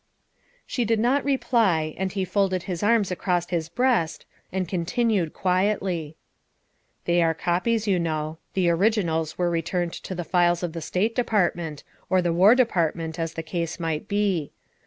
She did not reply, and he folded his arms across his breast and continued quietly. " They are copies, you know. The originals were re turned to the files of tha State Department, or the War Department, as the case might be.